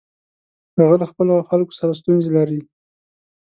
هغه له خپلو خلکو سره ستونزې لري.